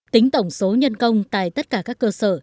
tính tổng số nhân công tại tất cả các cơ sở